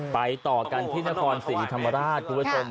ไปต่อกันที่นครศรีธรรมดาทุกวัฒนศรม